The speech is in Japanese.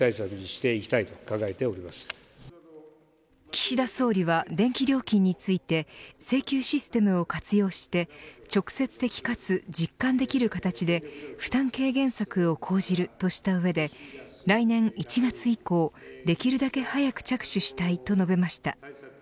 岸田総理は電気料金について請求システムを活用して直接的かつ実感できる形で負担軽減策を講じるとしたうえで来年１月以降できるだけ早く着手したいと述べました。